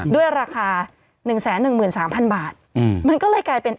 ด้วยราคา๑๑๓๐๐บาทมันก็เลยกลายเป็น